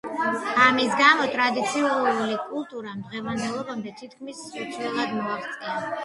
ამის გამო ტრადიციული კულტურამ დღევანდელობამდე თითქმის უცვლელად მოაღწია.